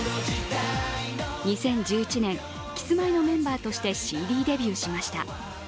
２０１１年キスマイのメンバーとしてＣＤデビューしました。